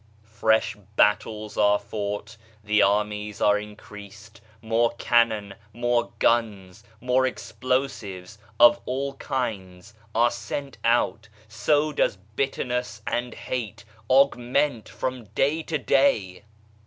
Fresh battles are fought, the armies are increased, more cannon, more guns, more explosives of all kinds are sent out so does bitterness and hate augment from day to day